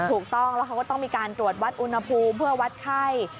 ถูกต้องแล้วเขาก็ต้องมีการตรวจวัดอุณหภูมิเพื่อวัดไข้